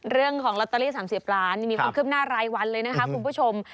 เรื่องของลอตเตอรี่๓๐ล้านมีความคืบหน้ารายวันเลยนะคะคุณผู้ชม